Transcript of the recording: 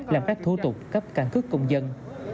làm các thủ tục cấp căn cứ công dân